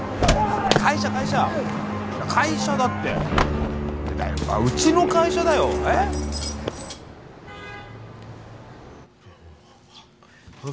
会社会社会社だってうちの会社だよえッ？